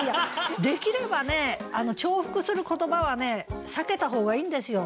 できればね重複する言葉はね避けた方がいいんですよ。